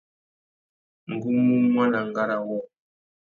Ngu mú muaná ngárá wôō.